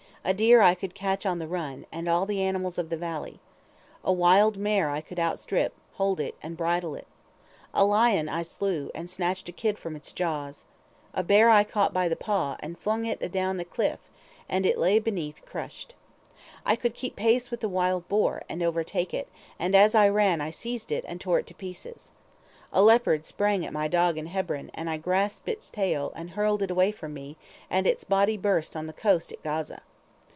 A deer I could catch on the run, and all the animals of the valley. A wild mare I could outstrip, hold it, and bridle it. A lion I slew, and snatched a kid from its jaws. A bear I caught by the paw, and flung it adown the cliff, and it lay beneath crushed. I could keep pace with the wild boar, and overtake it, and as I ran I seized it, and tore it to pieces. A leopard sprang at my dog in Hebron, and I grasped its tail, and hurled it away from me, and its body burst on the coast at Gaza.